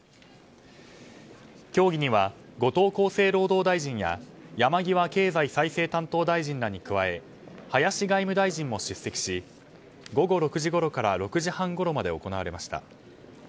協議には後藤厚生労働大臣や山際経済再生担当大臣らに加え林外務大臣も出席し午後６時ごろから６時半ごろまで行われました。